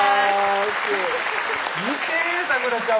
見て咲楽ちゃん